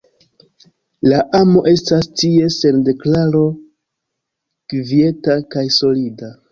La amo estas tie, sen deklaro, kvieta kaj solida.